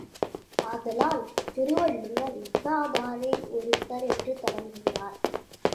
ஆதலால் திருவள்ளுவர் இன்னாசெய்தாரை ஒறுத்தல் என்று தொடங்குகின்றார்.